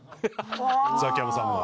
ザキヤマさんが。